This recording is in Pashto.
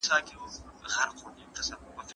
که انځور او لیکنه یو ځای سي نو درس ژر یادیږي.